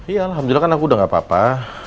iya alhamdulillah kan aku udah gak apa apa